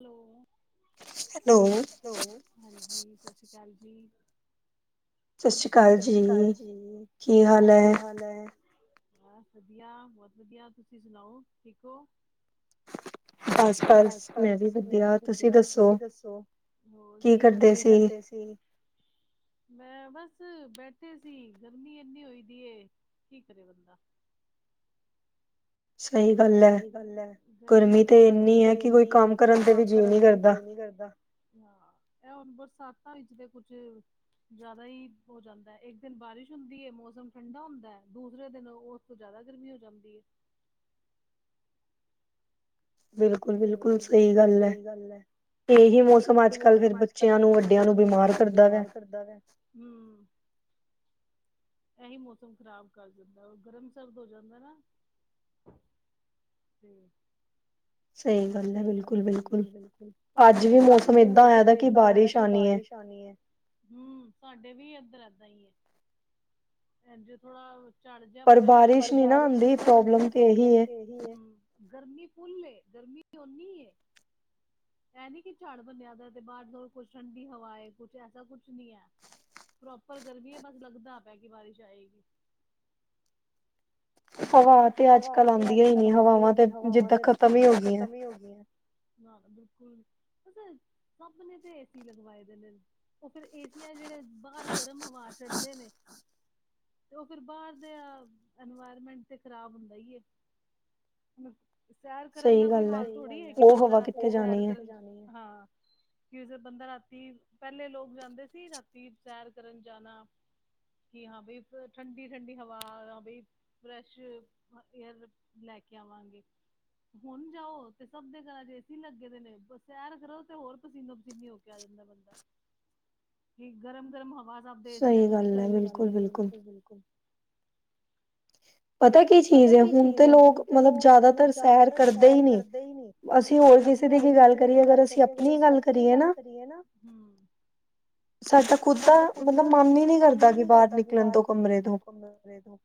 Hello. Hello. Hello, ਹਾਂਜੀ, ਸਤਿ ਸ਼੍ਰੀ ਅਕਾਲ ਜੀ। ਸਤਿ ਅਕਾਲ ਜੀ। ਸਤਿ ਸ਼੍ਰੀ ਅਕਾਲ ਜੀ, ਕੀ ਹਾਲ ਹੈ? ਬਸ ਵਧੀਆ, ਬਹੁਤ ਵਧੀਆ ਤੁਸੀਂ ਸੁਣਾਓ ਠੀਕ ਹੋ? ਬਸ-ਬਸ, ਮੈਂ ਵੀ ਵਧੀਆ ਤੁਸੀਂ ਦੱਸੋ? ਹੋਰ, ਕੀ ਕੰਮ ਕੀ ਕਰਦੇ ਸੀ। ਮੈਂ, ਬਸ ਬੈਠੇ ਸੀ, ਗਰਮੀ ਇੰਨੀ ਹੋਈ ਦੀ ਕੀ ਕਰੇ ਬੰਦਾ। ਸਹੀ ਗੱਲ ਹੈ, ਗਰਮੀ -ਗਰਮੀ ਤੇ ਇਨੀ ਹੈ, ਕਿ ਕੋਈ ਕੰਮ ਕਰਨ ਤੇ ਵੀ ਜੀਅ ਨਹੀ ਕਰਦਾ। ਹਾਂ, ਇਹ ਹੁਣ ਬਰਸਾਤਾਂ ਵਿੱਚ ਤੇ ਕੁਛ ਜ਼ਿਆਦਾ ਹੀ ਹੋ ਜਾਂਦਾ, ਇੱਕ ਦਿਨ ਬਾਰਿਸ਼ ਹੁੰਦੀ ਹੈ। ਮੌਸਮ ਠੰਡਾ ਹੁੰਦਾ ਹੈ, ਦੂਸਰੇ ਦਿਨ ਉਹ ਜ਼ਿਆਦਾ ਗਰਮੀ ਹੋ ਜਾਂਦੀ ਹੈ। ਬਿਲਕੁਲ- ਬਿਲਕੁਲ, ਸਹੀ ਗੱਲ ਹੈ। ਇਹ ਮੌਸਮ ਅੱਜ -ਕੱਲ ਫਿਰ ਬੱਚਿਆਂ ਨੂੰ ਵੱਡਿਆਂ ਨੂੰ ਬਿਮਾਰ ਕਰਦਾ ਵਾ। ਇਹੀ ਮੌਸਮ ਖ਼ਰਾਬ ਕਰ ਜਾਂਦਾ, ਗਰਮ ਸਰਰਦ ਹੋ ਜਾਂਦਾ ਨਾ। [inaudible] ਸਹੀ ਗੱਲ ਹੈ। ਬਿਲਕੁਲ- ਬਿਲਕੁਲ ਅੱਜ ਵੀ ਮੌਸਮ ਏਦਾਂ ਆ ਕਿ ਬਾਰਿਸ਼ ਹੂ, ਸਾਡੇ ਵੀ ਏਧਰ ਏਦਾਂ ਹੀ ਆ। ਜੇ, ਥੋੜਾ ਚੜ ਜਿਹਾ ਬਣਿਆ ਹੋਇਆ, ਪਰ ਬਾਰਿਸ਼ ਨੀ ਨਾ ਆਉਂਦੀ, ਪ੍ਰੋਬਲਮ ਤੇ ਇਹੀ। ਗਰਮੀ ਫੁੱਲ ਗਰਮੀ ਓਨੀ ਹੈ। ਇਹ ਨੀ ਕਿ ਝਾੜ ਬਣਿਆਦਾ ਤੇ ਬਾਹਰ ਕੁਛ ਠੰਡੀ ਹਵਾ ਏ ਕੁਛ ਐਸਾ ਕੁਛ ਨੀ ਹੈ। ਪ੍ਰੋਪਰ ਗਰਮੀ ਹੈ, ਬਸ ਲੱਗਦਾ ਪੈ ਕੇ ਬਾਰਿਸ਼ ਆਏਗੀ। ਹਾ। ਹਵਾ ਤੇ ਅੱਜ- ਕੱਲ੍ਹ ਆਉਂਦੀਆਂ ਹੀ ਨਹੀਂ ਹਵਾਵਾਂ ਤੇ ਜਿੱਦਾਂ ਖਤਮ ਹੀ ਹੋ ਗਈਆਂ। ਨਾ, ਬਿਲਕੁਲ। ਸਭ ਨੇ ਤੇ ਏਸੀ ਲਗਵਾਏ ਦੇ ਨੇ, ਉਹ ਫੇਰ ਏਸੀਆਂ ਜਿਹੜੇ। ਬਾਹਰ ਗਰਮ ਹਵਾ ਸੁਟਦੇ ਨੇ ਤੇ, ਉਹ ਫਿਰ ਬਾਹਰ ਦਾ ਇਨਵਾਇਰਮੈਂਟ। ਤੇ, ਖ਼ਰਾਬ ਹੁੰਦਾ ਈ ਏ ਸੈਰ ਕਰਨ ਦਾ ਕੋਈ ਹਾਲ ਥੋੜੀ ਹੈਗੀ, ਬੰਦਾ ਰਾਤੀ ਸੈਰ ਕਰਨ ਜਾਵੇ, ਹਾਂ। ਕਿ ਬੰਦਾ ਰਾਤੀ ਪਹਿਲੇ ਲੋਕ ਜਾਂਦੇ ਸੀ, ਰਾਤੀ ਸੈਰ ਕਰਨ ਜਾਣਾ। ਕੀ ਹਾਂ ਬਈ, ਠੰਡੀ- ਠੰਡੀ ਹਵਾ ਬਈ 'ਚ ਲੈ ਕੇ ਆਵਾਂਗੇ। ਹੁਣ ਜਾਓ, ਤੇ ਸਭ ਦੇ ਘਰ ਚਏਸੀ ਲੱਗੇ ਦੇ ਨੇ, ਸੈਰ ਕਰੋ ਤੇ ਹੋਰ ਪਸੀਨੋ -ਪਸੀਨੀੇ ਹੋ ਕੇ ਆ ਜਾਂਦਾ ਬੰਦਾ। ਗਰਮ -ਗਰਮ ਹਵਾ ਸਭ ਦੇਸੀਆਂ 'ਚ ਨਿਕਲਦੀ, ਬਿਲਕੁਲ- ਬਿਲਕੁਲ। ਪਤਾ ਕੀ ਪਤਾ ਕੀ ਚੀਜ਼ ਹੈ ਹੁਣ ਤੇ ਲੋਕ ਮਤਲਬ ਜ਼ਿਆਦਾਤਰ, ਸੈਰ ਕਰਦੇ ਹੀ ਨਹੀਂ ਅ। ਅਸੀਂ ਹੋਰ ਕਿਸੇ ਦੀ ਵੀ ਗੱਲ ਕਰੀਏ, ਅਗਰ ਅਸੀਂ ਆਪਣੀ ਗੱਲ ਕਰੀਏ ਨਾ ਹ ਸਾਡਾ ਖੁਦ ਦਾ ਮਤਲਬ ਮਨ ਹੀ ਨਹੀਂ ਕਰਦਾ, ਕਿ ਬਾਹਰਮ ਘੰਮਣੇ ਤੋਂ।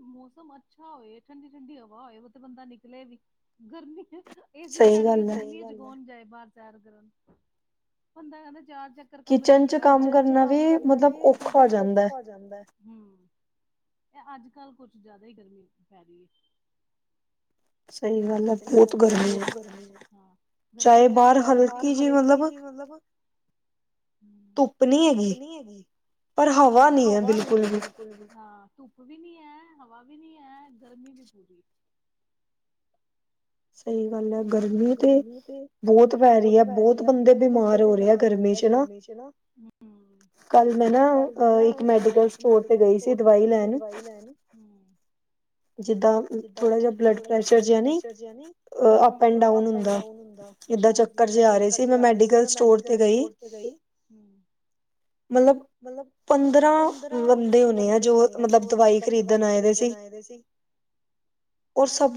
ਮੌਸਮ ਅੱਛਾ ਹੋਏ ਠੰਡੀ- ਠੰਡੀ ਹਵਾ ਹੋਏ, ਤੇ ਬੰਦਾ ਨਿਕਲੇ ਵੀ। ਗਰਮੀ 'ਚ, ਏਸੀ ਛੱਡ ਕੇ, ਗਰਮੀਆਂ 'ਚ ਕੋਣ ਜਾਏ ਬਾਹਰ ਸੈਰ ਕਰਨ, ਬੰਦਾ ਕਹਿੰਦਾ ਚਾਰ ਚੱਕਰ ਕਿਚਨ 'ਚ ਕੰਮ ਕਰਨਾ ਵੀ, ਮਤਲਬ ਔਖਾ ਹੋ ਜਾਂਦਾਂ ਜਾਂਦਾ, ਹੂੰ, ਐ ਅੱਜ ਕੱਲ ਕੁਛ ਜ਼ਿਆਦਾ ਹੀ ਗਰਮੀ, ਪੈ ਰਹੀ ਏ। ਸਹੀ ਗੱਲ ਹੈ ਬਹੁਤ ਗਰਮੀ ਏ, ਚਾਹੇ ਬਾਹਰ ਹਲਕੀ ਜਿਹੀ ਮਤਲਬ ਹੂੰ, ਧੁੱਪ ਨੀ ਹੈਗੀ ਪਰ, ਹਵਾ ਨੀ ਐ ਬਿਲਕੁਲ ਵੀ ਧੁੱਪ ਵੀ ਨੀ ਹੈ, ਹਵਾ ਵੀ ਨੀ ਹੈ, ਗਰਮੀ ਵੀ ਪੂਰੀ। ਸਹੀ ਗੱਲ ਐ ਗਰਮੀ ਤੇ ਬੋਹਤ ਪੈ ਰਹੀ ਐ, ਬੋਹਤ ਬੰਦੇ ਬਿਮਾਰ ਹੋ ਰਹੇ ਐ ਗਰਮੀ 'ਚ। ਹਨਾ, ਹੂੰ ਕੱਲ੍ਹ ਮੈਂ ਨਾ ਓ ਅ ਇੱਕ ਮੈਡੀਕਲ ਸਟੋਰ 'ਤੇ ਗਈ ਸੀ, ਦਵਾਈ ਲੈਣ। ਹੂੰ ਜਿੱਦਾਂ ਥੋੜ੍ਹਾ ਜਿਹਾ ਬਲੱਡ ਪ੍ਰੈਸ਼ਰ ਜਿਹਾ ਨੀ, ਅ ਅੱਪ ਐਂਡ ਡਾਊਨ ਹੁੰਦਾ। ਇੱਦਾਂ ਚੱਕਰ ਜੇ ਆ ਰਹੇ ਸੀ, ਮੈਂ ਮੈਡੀਕਲ ਸਟੋਰ ਤੇ ਗਈ। ਮਤਲਬ ਪੰਦਰਾਂ ਬੰਦੇ ਹੋਣੇ ਆ, ਜੋ ਮਤਲਬ ਦਵਾਈ ਖ਼ਰੀਦਣ ਆਏ ਦੇ ਸੀ।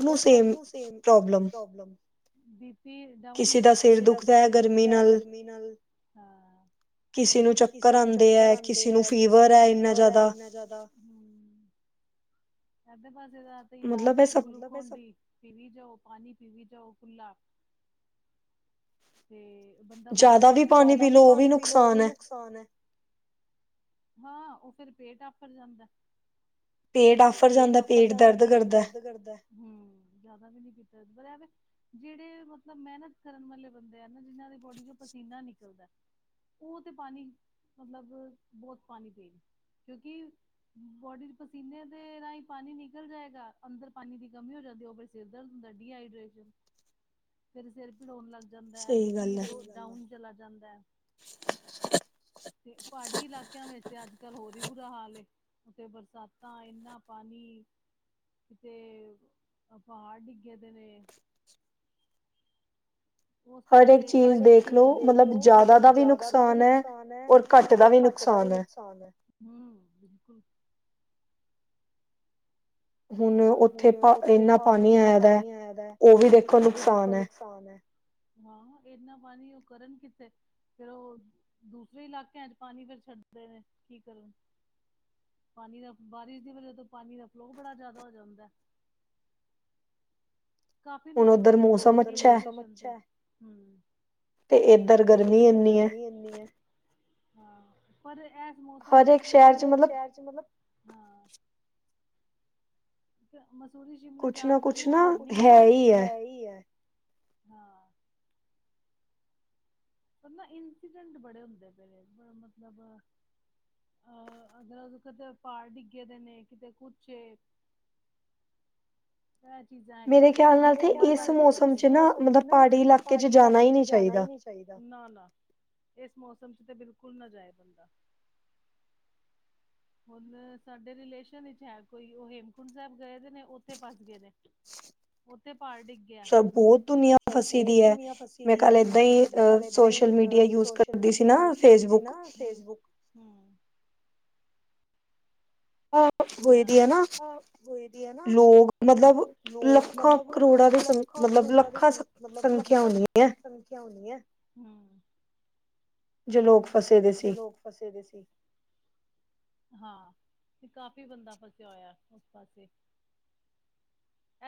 ਉਰ ਸਭ ਨੂੰ ਸੇਮ ਪ੍ਰੋਬਲਮ, ਬੀਪੀ ਡਾਊਨ। ਕਿਸੇ ਦਾ ਸਿਰ ਦੁਖਦਾ ਹੈ, ਗਰਮੀ ਨਾਲ, ਹਾਂ ਕਿਸੇ ਨੂੰ ਚੱਕਰ ਆਂਦੇ ਐ, ਕਿਸੇ ਨੂੰ ਫੀਵਰ ਐ ਇੰਨਾ ਜਿਆਦਾ, ਹੂੰ ਐ ਤੇ ਬਸ ਇਹਦਾ ਤਾ ਇਲਾਜ ਏ, ਗਲੂਕੋਜ਼ ਦੀ ਪੀਵੀ ਜਾਓ, ਪਾਣੀ ਪੀਵੀ ਜਾਓ ਖੁੱਲਾ। ਜਿਆਦਾ ਵੀ ਪਾਣੀ ਪੀ ਲਓ, ਉਹ ਵੀ ਨੁਕਸਾਨ ਨੁਕਸਾਨ ਐ, ਪੇਟ ਆਫਰ ਜਾਂਦਾ। ਪੇਟ ਆਫ਼ਰ ਜਾਂਦਾ, ਪੇਟ ਦਰਦ ਕਰਦਾ। ਹੂੰ, ਜ਼ਿਆਦਾ ਵੀ ਨਹੀਂ ਕੀਤਾ ਪਰ ਐਵੇ, ਜਿਹੜੇ ਮਤਲਬ ਮਿਹਨਤ ਕਰਨ ਵਾਲੇ ਬੰਦੇ ਆ ਨਾ, ਜਿਨ੍ਹਾਂ ਦੀ ਬੋਡੀ 'ਚੋਂ ਪਸੀਨਾ ਨਿਕਲਦਾ ਉਹ ਤੇ ਪਾਣੀ, ਮਤਲਬ ਬਹੁਤ ਪਾਣੀ ਪੀਣ, ਕਿਉਂਕਿ ਬੋਡੀ 'ਚ ਪਸੀਨੇ ਦੇ ਰਾਹੀਂ ਪਾਣੀ ਨਿਕਲ ਜਾਏਗਾ, ਅੰਦਰ ਪਾਣੀ ਦੀ ਕਮੀ ਹੋ ਜਾਂਦੀ ਐ ਓ ਬਸ ਸਿਰ ਦਰਦ ਹੁੰਦਾ ਡੀਹਾਈਡ੍ਰੇਸ਼ਨ, ਫਿਰ ਸਿਰ ਪੀੜ ਹੋਣ ਲੱਗ ਜਾਂਦਾ, ਬੀ ਪੀ ਲੋ ਡਾਊਨ ਚਲਾ ਜਾਂਦਾ। ਤੇ ਪਹਾੜੀ ਇਲਾਕਿਆਂ ਵਿੱਚ, ਅੱਜ ਕੱਲ੍ਹ ਹੋਰ ਵੀ ਬੁਰਾ ਹਾਲ ਏ ਉੱਥੇ ਬਰਸਾਤਾਂ, ਇੰਨਾ ਪਾਣੀ ਕਿਤੇ, ਪਹਾੜ ਡਿੱਗੇ ਦੇ ਨੇ ਪਰ ਇੱਕ ਚੀਜ਼ ਦੇਖ ਲਓ, ਮਤਲਬ ਜ਼ਿਆਦਾ ਦਾ ਵੀ ਨੁਕਸਾਨ ਐ, ਔਰ ਘੱਟ ਦਾ ਵੀ ਨੁਕਸਾਨ ਨੁਕਸਾਨ ਐ। ਹੁਣ, ਉੱਥੇ ਪ ਇੰਨਾ ਪਾਣੀ ਆਇਆ ਦਾ, ਉਹ ਵੀ ਦੇਖੋ ਨੁਕਸਾਨ ਹਾਂ, ਇਨ੍ਹਾਂ ਪਾਣੀ ਉਹ ਕਰਨ ਕਿਥੇ ਫੇਰ ਉਹ, ਦੂਸਰੇ ਇਲਾਕਿਆਂ 'ਚ ਪਾਣੀ ਫਿਰ ਛੱਡਦੇ ਨੇ, ਕੀ ਕਰਨ ਪਾਣੀ ਦਾ ਬਾਰਿਸ਼ ਦੀ ਵਜ੍ਹਾ ਤੋਂ ਪਾਣੀ ਦਾ ਫਲੋ ਬੜਾ ਜਿਆਦਾ ਹੋ ਜਾਂਦਾ। ਕਾਫੀ ਨੁਕਸਾਨ, [unintelligible] ਹੂੰ ਤੇ, ਏਧਰ ਗਰਮੀ ਇਨੀ ਐ। ਪਰ, ਇੱਕ ਸ਼ਹਿਰ 'ਚ ਮਤਲਬ ਤੇ, ਮਸੂਰੀ ਸ਼ਿਮਲੇ ਜਾਣ ਦਾ ਵੀ ਹਾਲ ਨੀ ਐ ਪਰ, ਨਾ ਇੰਸੀਡੈਂਟ ਬੜੇ ਹੁੰਦੇ ਪਏ ਨੇ, ਬੇ ਮਤਲਬ ਅਹ, ਅਗਰ ਕਿਤੇ ਪਹਾੜ ਡਿੱਗੇ ਦੇ ਨੇ ਕਿਤੇ ਕੁੱਛ ਏ ਮੇਰੇ ਖਿਆਲ 'ਚ ਇਸ ਮੌਸਮ 'ਚ ਨਾ ਪਹਾੜੀ ਇਲਾਕੇ 'ਚ ਜਾਣਾ ਹੀ ਨਹੀਂ ਨਾ-ਨਾ, ਇਸ ਮੌਸਮ 'ਚ ਤੇ ਬਿਲਕੁਲ ਨਾ ਜਾਏ ਬੰਦਾ। ਹੁਣ, ਸਾਡੇ ਰਿਲੇਸ਼ਨ ਵਿਚ ਹੈ, ਕੋਈ ਉਹ ਹੇਮਕੁੰਟ ਹੇਮਕੁੰਟ ਸਾਹਿਬ ਗਏ ਦੇ ਨੇ, ਉੱਥੇ ਫਸ ਗਏ ਨੇ, ਉੱਥੇ ਪਹਾੜ ਡਿੱਗ ਸਭ ਬਹੁਤ ਦੁਨੀਆਂ ਫਸੀ ਦੀ ਐ, ਮੈਂ ਕੱਲ ਏਦਾਂ ਈ ਅ ਸ਼ੋਸ਼ਲ ਸ਼ੋਸ਼ਲ ਮੀਡੀਆ ਯੂਜ ਕਰਦੀ ਸੀ ਨਾ, ਫੇਸਬੁਕ, ਹੂ। ਹਾਂ। ਹੋਏ ਦੀ ਹੈ। ਨਾ ਲੋਕ ਮਤਲਬ ਲੱਖਾਂ ਕਰੋੜਾਂ ਦੇ ਸਮ ਲੱਖਾਂ ਕਰੋੜਾਂ ਵੀ ਮਤਲਬ, ਲੱਖਾਂ ਸੰਖਿਆ ਹੁੰਦੀਆਂ ਹੂ। ਜੋ ਲੋਕ ਫਸੇ ਦੇ ਸੀ। ਫਸੇ ਦੇ ਸੀ। ਹਾਂ, ਤੇ ਕਾਫ਼ੀ ਬੰਦਾ ਫਸਿਆ ਹੋਇਆ, ਉਸ ਪਾਸੇ।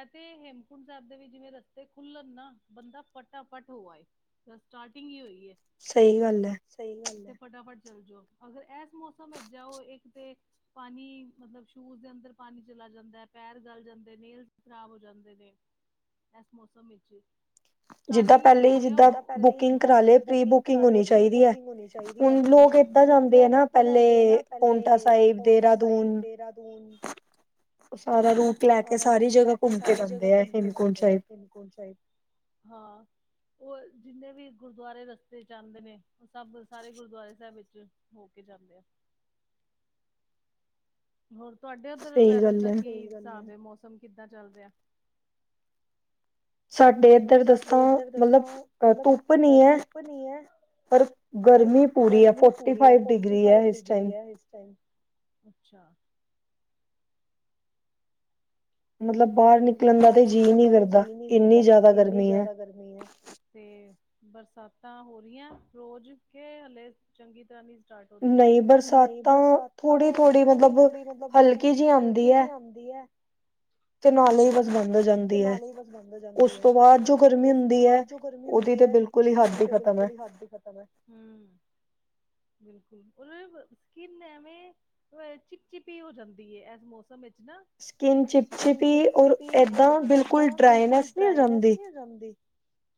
ਇਥੇ ਹੇਮਕੁੰਟ ਸਾਹਿਬ ਦੇ ਵੀ ਜਿਵੇਂ ਰਸਤੇ ਖੁੱਲਣ ਨਾ ਬੰਦਾ ਫਟਾਫਟ ਹੋ ਆਏ। ਸਟਾਰਟਿੰਗ ਹੀ ਹੋਈ ਹੈ। ਸਹੀ ਗੱਲ ਹੈ। ਸਹੀ ਗੱਲ ਹੈ। ਤੇ ਫਟਾਫਟ ਚੱਲ ਜਾਓ, ਅਗਰ ਇਸਸ ਮੌਸਮ ਵਿਚ ਜਾਓ ਇੱਕ ਤੇ ਪਾਣੀ ਮਤਲਬ ਸ਼ੂਜ ਦੇ ਅੰਦਰ ਪਾਣੀ ਚਲਾ ਜਾਂਦਾ ਹੈ। ਪੈਰ ਗਲ ਜਾਂਦੇ ਨੇਲ ਖ਼ਰਾਬ ਹੋ ਜਾਂਦੇ ਨੇ। ਇਸ ਮੌਸਮ ਵਿੱਚ ਸਟਾਰਟਿੰਗ ਵਿੱਚ ਹੋਇਆ ਹੈ। ਜਿਦਾਂ ਪਹਿਲਾ ਹੀ ਜਿਦਾਂ ਬੁਕਿੰਗ ਕਰ ਲੈ, ਪ੍ਰੀ ਬੁਕਿੰਗ ਹੋਣੀ ਚਾਹੀਦੀ ਹੈ। ਹੁਣ, ਲੋਕ ਏਦਾਂ ਜਾਂਦੇ ਆ, ਨਾ ਪਹਿਲੇ ਕੋਂਟਾ ਸਾਹਿਬ ਦੇਹਰਾਦੂਨ। ਸਾਰਾ ਰੂਟ ਲੈ ਕੇ ਸਾਰੀ ਜਗ੍ਹਾ ਘੁੰਮ ਕੇ ਜਾਂਦੇ ਆ। ਹਿੰਦਕੁੰਟ ਸਾਹਿਬ। ਹਾਂ। ਉਹ ਜਿੰਨੇ ਵੀ ਗੁਰਦੁਆਰੇ ਰਸਤੇ ਚ ਆਂਦੇ ਨੇ, ਉਹ ਸਭ ਸਾਰੇ ਗੁਰਦੁਆਰੇ ਸਾਹਿਬ ਵਿੱਚ। ਹੋ ਕੇ ਜਾਂਦੇ ਆ। ਹੋਰ, ਤੁਹਾਡੇ ਉਧਰ ਵੈਦਰ ਦਾ ਕੀ ਹਿਸਾਬ ਹਾ ਮੌਸਮ ਕਿੱਦਾਂ ਚੱਲ ਰਿਹਾ। ਸਾਡੇ ਇੱਧਰ ਦੱਸਾਂ? ਮਤਲਬ, ਅਹ ਧੁੱਪ ਨੀ ਹੈ। ਪਰ ਪਰ, ਗਰਮੀ ਪੂਰੀ ਹੈ। ਫੋਰਟੀ ਫਾਈਵ ਡਿਗਰੀ ਹੈ। ਇਸ ਟਾਈਮ। ਮਤਲਬ, ਬਾਹਰ ਨਿਕਲਣ ਦਾ ਤੇ ਜੀਅ ਨੀ ਕਰਦਾ, ਇੰਨੀ ਜ਼ਿਆਦਾ ਗਰਮੀ ਹੈ। ਆ। ਤੇ, ਬਰਸਾਤਾਂ ਹੋ ਰਹੀਆਂ, ਰੋਜ਼ ਕੇ ਹਲੇ ਚੰਗੀ ਤਰ੍ਹਾਂ ਨੀ ਨਹੀਂ, ਬਰਸਾਤ ਤਾਂ ਥੋੜੀ-ਥੋੜੀ ਮਤਲਬ, ਹਲਕੀ ਜਿਹੀ ਆਉਂਦੀ। ਆਉਂਦੀ ਹੈ। ਤੇ, ਨਾਲ ਹੀ ਬਸ ਤੇ, ਨਾਲ ਹੀ ਬਸ ਬੰਦ ਹੋ ਜਾਂਦੀ ਹੈ। ਉਸ ਤੋਂ ਬਾਅਦ ਜੋ ਗਰਮੀ ਹੁੰਦੀ ਹੈ। ਉਹਦੀ ਤਾਂ ਬਿਲਕੁਲ ਹੀ, ਹੱਦ ਦੀ ਹੀ ਖਤਮ ਹੈ, ਹ। ਬਿਲਕੁਲ, ਉਹ ਸਕਨ ਐਵੇਂ ਚਿਪ ਚਿਪ ਹੀ ਹੋ ਜਾਂਦੀ ਹੈ, ਇਸ ਮੌਸਮ ਵਿੱਚ ਨਾ। ਸਕਕਿਨ ਚਿਪਚਿਪੀ, ਔਰ ਇੱਕ ਏਦਾਂ ਬਿਲਕੁਲ, ਡਰਾਈਨੈਸ ਨੀ ਹੋ ਜਾਂਦੀ,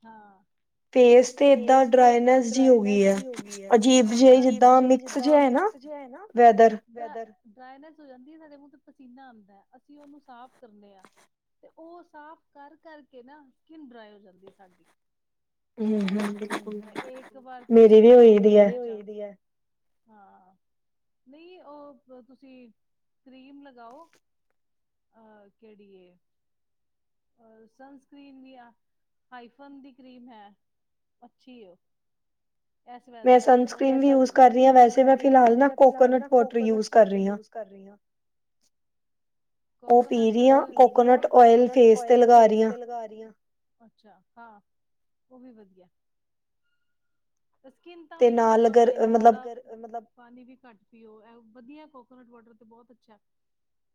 ਹ। ਫੇਸ ਏਦਾਂ ਡਰਾਈਨੈਸ ਜਿ ਹੋ ਗਈ ਹੈ ਅਜੀਬ ਜਿ, ਜਿਦਾਂ ਮਿਕਸ ਜਿ ਹੈ ਨਾ ਵੈਦਰ ਡਰਾਨਸ ਹੋ ਜਾਂਦੀ, ਸਾਡੇ ਮਹ ਤੇ ਪਸੀਨਾ ਆਉਂਦਾ ਹੈ, ਅਸੀਂਓਨੂੰ ਸਾਫ਼ ਕਰਨੇ ਆ। ਤੇ ਉਹ ਸਾਫ ਕਰ ਕਰਕੇ ਨਾ, ਸਕਿਨ ਡਰਾਈ ਹੋ ਜਾਂਦੀ ਸਾਡੀ। ਹਮ, ਹਮ। ਇਹ ਇੱਕ ਵਾਰ ਤੇ, ਮੇਰੇ ਨਾਲ ਹੋ ਗਿਆ ਹ ਹਾਂ, ਨਹੀਂ ਉਹ ਤੁਸੀਂ ਕਰੀਮ ਲਗਾਓ। ਅਹ, ਕਿਹੜੀਏ ਰ ਸਨਸਕ੍ਰਰੀਨ ਵੀ ਆ, ਹਾਈਫਨ ਦੀ ਕਰੀਮ ਹੈ, ਅੱਛੀ ਉਹ। ਯ ਕਰ ਰਹੀ ਵੈਸੇ ਮੈਂ ਫਿਲਹਾਲ ਨਾ, ਕੋਕੋਨਟ ਵੋਟਰ ਯੂਜ ਕਰ ਰਹੀ ਹ। ਕੋਕੋਨਟ ਉਹ ਪੀ ਰਆਂ, ਕੋਕੋਨਟ ਓਇਲ ਫੇਸ ਤੇ ਲਗਾ ਰਹੀਆਂ। ਅੱਛਾ, ਹਾਂ, ਉਹ ਵੀ ਵਧੀਆ। ਸਕਿੰਨ ਤਾਂ ਵੀ ਖ਼ਰਾਬ ਹੋ ਜਾਂਦੀ ਮਤਲਬ ਪਾਣੀ ਵੀ ਘੱਟ ਪੀਓ, ਵਧੀਆ ਕੋਕੋਨਟ ਵਾਟਰ ਤੇ ਬਹੁਤ ਅੱਛਾ।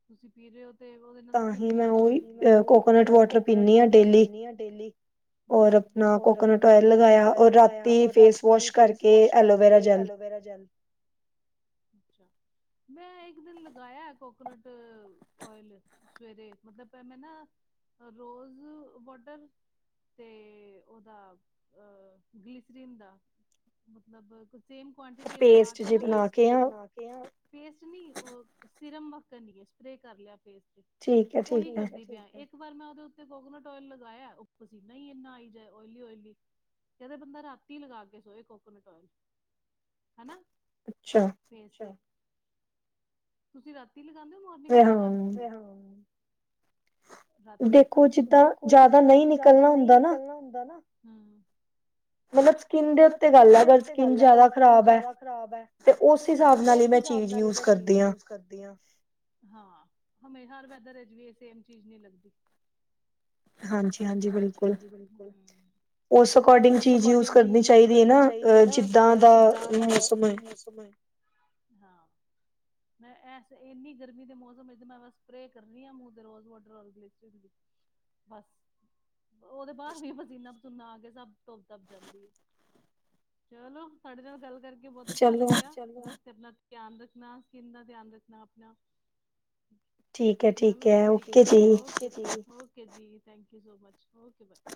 ਤੁਸੀਂ ਪੀ ਰਹੇ ਹੋ ਤੇ ਓਹਦੇ ਨਾਲ ਸਕਿਨ ਵੀ ਅੱਛੀ ਹੋਏ ਗੀ, ਹਾਂਜੀ, ਮੈਂ ਓਹਿ ਕੋਕੋਨਟ ਵਾਟਰ ਪੀਣੀ ਆ ਡੇਲੀ। ਹੂੰ, ਔਰ ਆਪਣਾ ਕੋਕੋਨਟ ਓਇਲ ਲਗਾਇਆ, ਔਰ ਰਾਤੀ ਫੇਸ ਵਾਸ਼ ਕਰਕੇ ਆਲੋਵੇ ਵੇਰਾ ਜੈੱਲ, ਅੱਛਾ। ਮੈਂ ਇੱਕ ਦਿਨ ਲਗਾਇਆ ਏ, ਕੋਕੋਨਟ ਆਇਲ ਸਵੇਰੇ ਮਤਲਬ, ਬੈ ਮੈਂ ਨਾ ਰੋਜ਼ ਅ ਵੋਟਰ ਤੇ ਉਹਦਾ, ਅਹ ਗਲੀਸਰੀਨ ਦਾ ਮਤਲਬ ਕੁ ਸੇਮ ਕੁਆਂਟਿਟੀ 'ਚ ਪਾ ਕੇ ਨਾ, ਪੇਸਟ ਜਾ ਬਣਾ ਕੇ ਕੇ ਹੈ ਪੇਸਟ ਨੀ ਉਹ ਸਿਰਮ ਵੱਕਰ ਨੀ ਏ, ਸਪਰੇ ਕਰ ਲਿਆ ਫੇਸ ਤੇ। ਉਹੀ ਕਰਦੇ ਪਿਆ, ਠੀਕ ਏ, ਠੀਕ ਏ। ਇੱਕ ਵਾਰ ਮੈਂ ਉਹਦੇ ਉੱਤੇ ਕੋਕੋਨਟ ਆਇਲ ਲਗਾਇਆ, ਊਪ ਪਸੀਨਾ ਹੀ ਇੰਨਾ ਆਈ ਜਾਏ, ਓਇਲੀ-ਓਇਲੀ। ਜਾਂ ਤਾਂ ਬੰਦਾ ਰਾਤੀ ਲਗਾ ਕੇ ਸੋਏ, ਕੋਕੋਨਟ ਓਇਲ, ਹਨਾਂ। ਅੱਛਾ। ਪੇਸਟ, ਅੱਛਾ, ਤੁਸੀਂ ਰਾਤੀ ਲਗਾਉਦੇ ਹੋ ਮੋ ਦਿਨ ਚ'ਲਗਾ ਲੈਂਦੇ ਔ? ਰਾਤੀ, ਦੇਖੋ ਜਿੱਦਾਂ, ਜਿਆਦਾ ਨਹੀਂ ਨਿਕਲਣਾ ਹੁੰਦਾ ਨਾ, ਹੂੰ ਮਤਲਬ ਸਕਿੰਨ ਦੇ ਉੱਤੇ ਗੱਲ ਐ, ਅਗਰ ਸਕਿੰਨ ਜ਼ਿਆਦਾ ਖ਼ਰਾਬ ਐ ਤੇ ਉਸ ਹਿਸਾਬ ਨਾਲ ਹੀ, ਮੈਂ ਚੀਜ਼ ਯੂਜ ਕਰਦੀ ਆ। ਕਰਦੀ ਆ। ਹਾਂ, ਹਮੇਸਾਂ ਹਰ ਵੈਦਰ ਏਜ ਵਿਚ ਵੀ, ਸੇਮ ਚੀਜ਼ ਨੀ ਲੱਗਦੀ। ਹਾਂਜੀ ਹਾਂਜੀ, ਬਿਲਕੁਲ, ਉਸ ਅਕੋਰਡਿੰਗ ਚੀਜ਼ ਯੂਜ ਕਰਨੀ ਚਾਹੀਦੀ ਏ ਨਾ, ਅ ਜਿੱਦਾਂ ਦਾ ਮੁਸ ਮੋਸਮ ਹੋਏ, ਹਾ। ਮੈਂ ਐਸ ਇੰਨੀ ਗਰਮੀ ਦੇ ਮੌਸਮ ਵਿਚ ਮੈਂ ਸਪਰੇ ਕਰਨੀ ਆ, ਮੂੰਹ ਦੇ ਰੋਜ਼ ਵਾਟਰ ਔਰ ਗਲੇਚਰ ਦੀ ਬਸ, ਉਹਦੇ ਬਾਹਰ ਵੀ ਪਸੀਨਾ-ਪਸੂਣਾ ਆ ਕੇ ਸਭ ਧੁਬ-ਤਬ ਜਾਂਦੀ ਐ। ਚਲੋ, ਤੁਹਾਡੇ ਨਾਲ ਗੱਲ ਕਰਕੇ ਬਹੁਤ ਅੱਛਾ ਲੱਗਿਆ। ਚੱਲ ਯਾਰ, ਆਪਣਾ ਧਿਆਨ ਰੱਖਣਾ। ਸਕਿਨ ਦਾ ਧਿਆਨ ਰੱਖਣਾ, ਆਪਣਾ ਚਲੋ, ਠੀਕ ਐ, ਠੀਕ ਐ। ਓਕੇ ਜੀ। ਓਕ ਓਕੇ ਜੀ। Thank you so much, okay bye.